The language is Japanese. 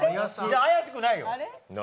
怪しくないよ。